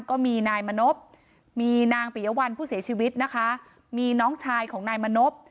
ก็มีนายมณพมีนางปิยวัลผู้เสียชีวิตนะคะมีน้องชายของนายมณพ